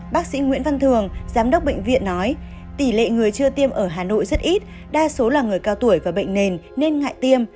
bác sĩ nguyễn văn thường giám đốc bệnh viện nói tỷ lệ người chưa tiêm ở hà nội rất ít đa số là người cao tuổi và bệnh nền nên ngại tiêm